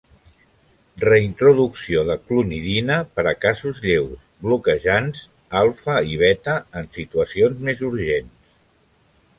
Reintroducció de clonidina per a casos lleus, bloquejants alfa i beta en situacions més urgents.